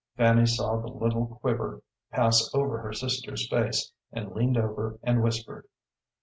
Fanny saw the little quiver pass over her sister's face, and leaned over and whispered.